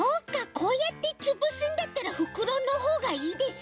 こうやってつぶすんだったらふくろのほうがいいですね。